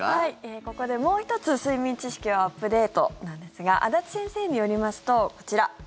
ここでもう１つ睡眠知識をアップデートなんですが安達先生によりますと、こちら。